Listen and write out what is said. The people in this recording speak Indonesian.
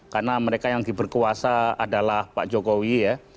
karena mereka yang diberkuasa adalah pak jokowi ya